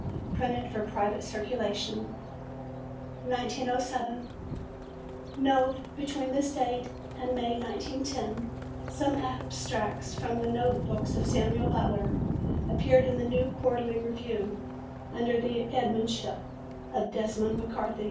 Printed for private circulation. 1907. Nov. Between this date and May, 1910, some Extracts from The Note Books of Samuel Butler appeared in the New Quarterly Review under the editorship of Desmond MacCarthy.